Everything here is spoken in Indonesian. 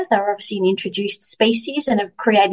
mereka telah diperkenalkan untuk kelinci paskah